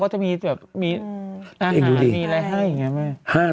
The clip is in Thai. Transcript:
มันก็จะมีแบบมีอาหารมีอะไรให้อย่างนี้ไหม